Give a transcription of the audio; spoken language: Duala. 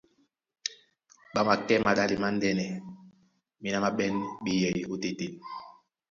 Ɓá makɛ́ maɗále mándɛ́nɛ, méná má ɓɛ́n ɓeyɛy ótétěn.